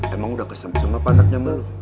emang udah keseng sem apa anaknya melu